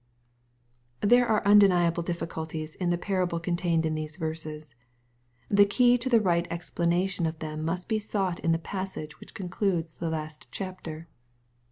Thebe are undeniable difficulties in the parable contained in these verses. The key to the right explanation of them must be sought in the passage which concludes the last chapter.